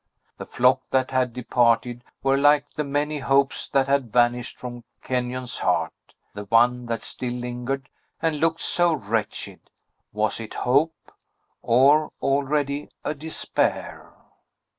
The flock that had departed were like the many hopes that had vanished from Kenyon's heart; the one that still lingered, and looked so wretched, was it a Hope, or already a Despair?